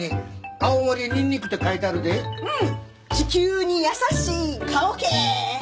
うん？